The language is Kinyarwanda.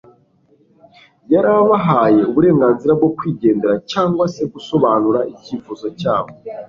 Yari abahaye uburenganzira bwo kwigendera cyangwa se gusobanura icyifuzo cyabo.